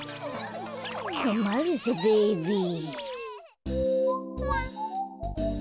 こまるぜベイビー。